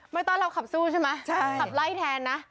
ไม่ต้อนรับขับสู้ใช่ไหมขับไล่้แทนนะ